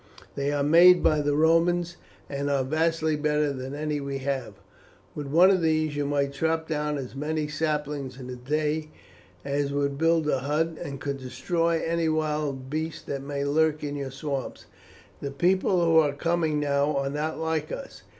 "They are made by the Romans, and are vastly better than any we have. With one of those you might chop down as many saplings in a day as would build a hut, and could destroy any wild beasts that may lurk in your swamps. The people who are coming now are not like us.